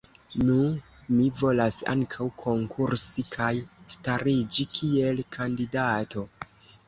Nu mi volas ankaŭ konkursi kaj stariĝi kiel kandidato.